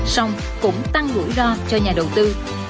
xong cũng tăng rủi ro cho nhà đầu tư